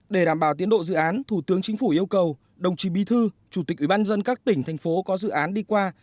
để đảm bảo tiến độ dự án thủ tướng chính phủ yêu cầu đồng chí bi thư chủ tịch ủy ban dân các tỉnh thành phố có dự án đi qua